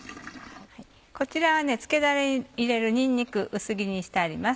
こちらはつけだれに入れるにんにく薄切りにしてあります。